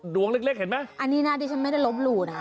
ดวงเล็กเห็นไหมอันนี้นะดิฉันไม่ได้ลบหลู่นะ